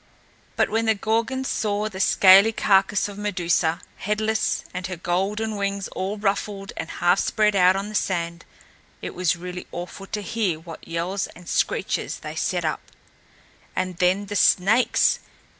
But when the Gorgons saw the scaly carcass of Medusa, headless, and her golden wings all ruffled and half spread out on the sand, it was really awful to hear what yells and screeches they set up. And then the snakes!